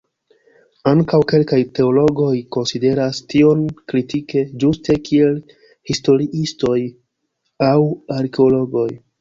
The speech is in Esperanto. Ankaŭ kelkaj teologoj konsideras tion kritike, ĝuste kiel historiistoj aŭ arkeologoj.